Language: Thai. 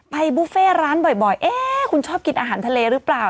บุฟเฟ่ร้านบ่อยเอ๊ะคุณชอบกินอาหารทะเลหรือเปล่า